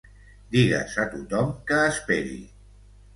Digues a tothom que esperi.